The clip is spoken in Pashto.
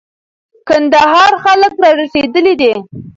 کندهار خلک را رسېدلي دي.